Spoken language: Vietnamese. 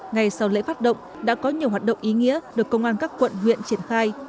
ngày sau lễ phát động đã có nhiều hoạt động ý nghĩa được công an các quận huyện triển khai